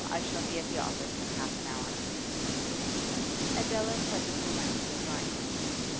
I shall be at the office in half an hour.' Adela presently went to the drawing room.